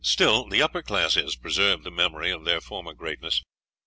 Still, the upper classes preserve the memory of their former greatness.